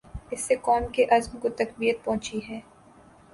اس سے قوم کے عزم کو تقویت پہنچی ہے۔